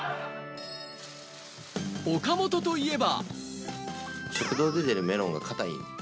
岡本といえば。